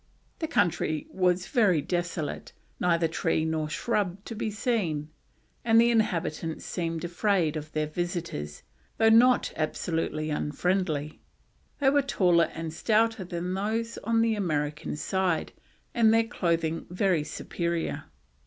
The country was very desolate, neither tree nor shrub to be seen, and the inhabitants seemed afraid of their visitors, though not absolutely unfriendly. They were taller and stouter than those on the American side, and their clothing very superior.